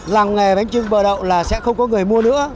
làng nghề bánh trưng bờ đậu là sẽ không có người mua nữa